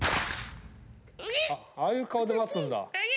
ああいう顔で待つんだ。